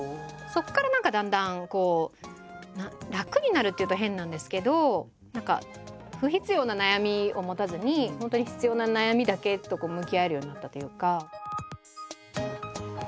そこから何かだんだんこう楽になるっていうと変なんですけど何か不必要な悩みを持たずに本当に必要な悩みだけと向き合えるようになったというか。